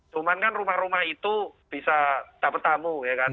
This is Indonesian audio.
cuman kan rumah rumah itu bisa dapat tamu ya kan